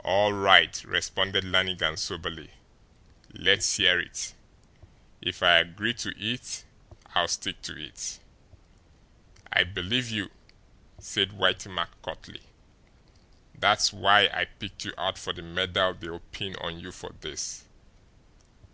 "All right," responded Lannigan soberly. "Let's hear it. If I agree to it, I'll stick to it." "I believe you," said Whitey Mack curtly. "That's why I picked you out for the medal they'll pin on you for this.